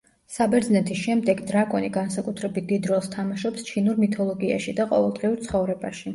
საბერძნეთის შემდეგ დრაკონი განსაკუთრებით დიდ როლს თამაშობს ჩინურ მითოლოგიაში და ყოველდღიურ ცხოვრებაში.